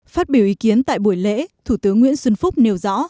phát biểu ý kiến tại buổi lễ thủ tướng nguyễn xuân phúc nêu rõ